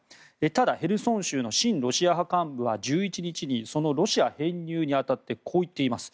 ただ、ヘルソン州の親ロシア派幹部は１１日にそのロシア編入に当たってこう言っています。